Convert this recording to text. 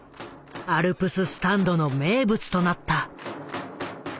アルプススタンドの名物となった。